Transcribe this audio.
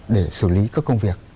để xử lý các công việc